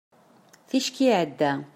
ticki iɛedda